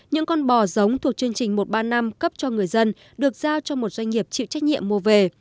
những con bò giống thuộc chương trình một trăm ba mươi năm cấp cho người dân được giao cho một doanh nghiệp chịu trách nhiệm mua về